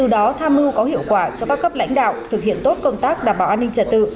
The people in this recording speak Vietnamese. công an có hiệu quả cho các cấp lãnh đạo thực hiện tốt công tác đảm bảo an ninh trật tự